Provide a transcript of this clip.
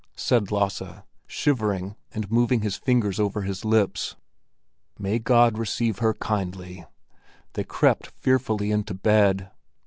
said Lasse, shivering and moving his fingers over his lips. "May God receive her kindly!" They crept fearfully into bed.